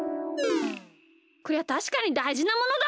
こりゃたしかにだいじなものだ！